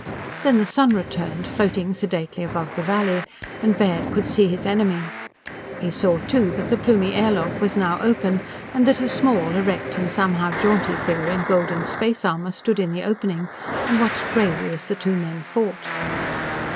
Then the sun returned, floating sedately above the valley, and Baird could see his enemy. He saw, too, that the Plumie air lock was now open and that a small, erect, and somehow jaunty figure in golden space armor stood in the opening and watched gravely as the two men fought.